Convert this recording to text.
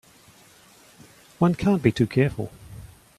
One canât be too careful.